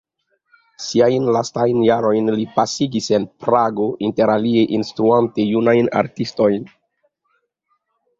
Siajn lastajn jarojn li pasigis en Prago, interalie instruante junajn artistojn.